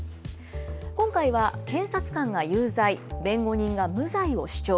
今回は検察官が有罪、弁護人が無罪を主張。